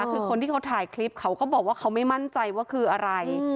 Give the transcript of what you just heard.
คือคนที่เขาถ่ายคลิปเขาก็บอกว่าเขาไม่มั่นใจว่าคืออะไร